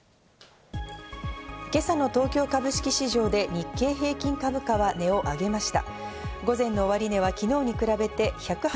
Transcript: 今朝の東京株式市場で日経平均株価は値を上げました。